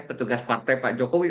petugas partai pak jokowi